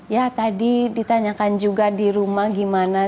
ya tadi ditanyakan juga di rumah gimana